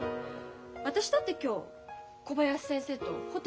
私だって今日小林先生とホテル行ったわよ。